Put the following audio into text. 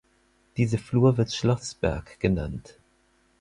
Diese Flur wird Schloßberg genannt.